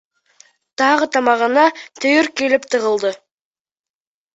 -Тағы тамағына төйөр килеп тығылды.